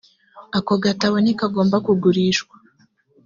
aka gatabo ntikagomba kugurishwa.